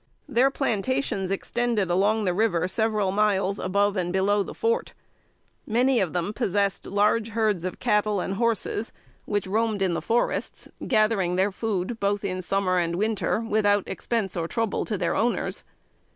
Their plantations extended along the river several miles, above and below the fort. Many of them possessed large herds of cattle and horses, which roamed in the forests, gathering their food, both in summer and winter, without expense or trouble to their owners.